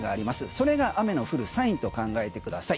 それが雨の降るサインと考えてください。